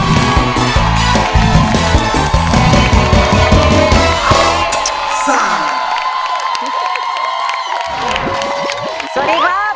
สวัสดีครับ